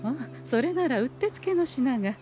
それならうってつけの品が。